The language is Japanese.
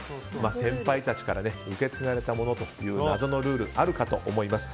先輩たちから受け継がれたものという謎のルールあるかと思います。